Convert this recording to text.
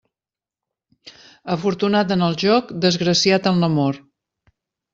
Afortunat en el joc, desgraciat en l'amor.